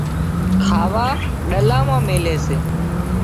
کاوا ڏلا مان ميلي سي